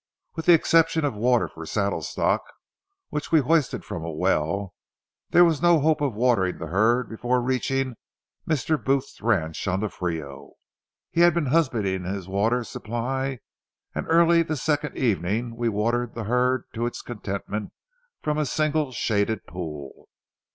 With the exception of water for saddle stock, which we hoisted from a well, there was no hope of watering the herd before reaching Mr. Booth's ranch on the Frio. He had been husbanding his water supply, and early the second evening we watered the herd to its contentment from a single shaded pool.